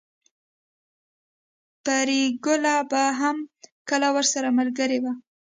پريګله به هم کله ورسره ملګرې وه